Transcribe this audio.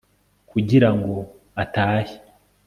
kugira ngo atahe